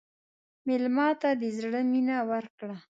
مېلمه ته د زړه مینه ورکړه.